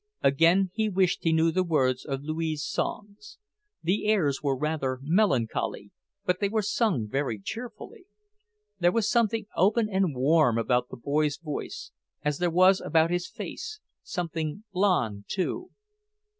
Again he wished he knew the words of Louis' songs. The airs were rather melancholy, but they were sung very cheerfully. There was something open and warm about the boy's voice, as there was about his face something blond, too.